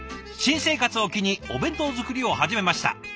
「新生活を機にお弁当作りを始めました。